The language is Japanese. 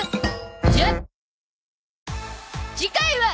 次回は